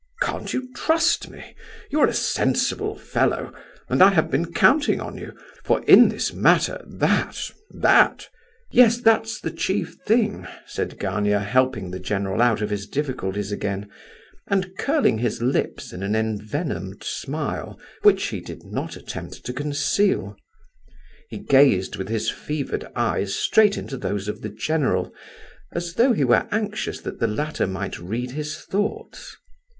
Can't you trust me? You are a sensible fellow, and I have been counting on you; for, in this matter, that, that—" "Yes, that's the chief thing," said Gania, helping the general out of his difficulties again, and curling his lips in an envenomed smile, which he did not attempt to conceal. He gazed with his fevered eyes straight into those of the general, as though he were anxious that the latter might read his thoughts.